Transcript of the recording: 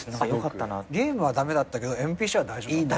ゲームは駄目だったけどＭＰＣは大丈夫だったの？